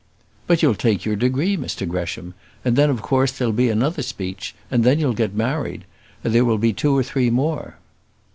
"But you'll take your degree, Mr Gresham; and then, of course, there'll be another speech; and then you'll get married, and there will be two or three more."